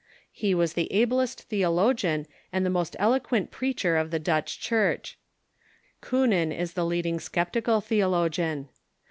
He was the ablest theologian and the most eloquent preacher of the Dutch Church, Kuenen is the leading sceptical theologian.